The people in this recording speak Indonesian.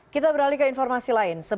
kita beralih ke informasi lain